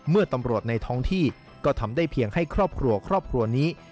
เมื่อตำรวจในท้องที่ก็ทำได้เพียงให้ครอบครัวครอบครัวนี้